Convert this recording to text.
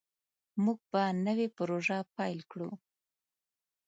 موږ به نوې پروژه پیل کړو.